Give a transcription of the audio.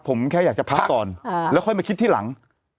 ผมแค่อยากจะพักก่อนแล้วค่อยมาคิดที่หลัง